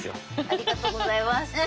ありがとうございます。